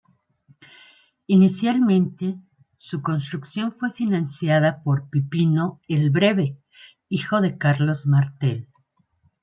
Inicialmente, su construcción fue financiada por Pipino el Breve, hijo de Carlos Martel.